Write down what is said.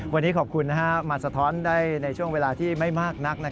วันนี้ขอบคุณมาสะท้อนได้ในช่วงเวลาที่ไม่มากนัก